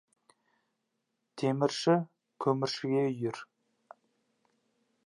Темірші көміршіге үйір.